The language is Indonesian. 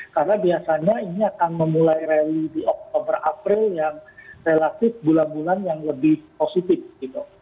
karena biasanya ini akan memulai rally di oktober april yang relatif bulan bulan yang lebih positif gitu